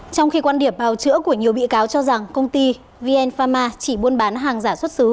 trong khi quan điểm bào chữa của nhiều bị cáo cho rằng công ty vn pharma chỉ buôn bán hàng giả xuất xứ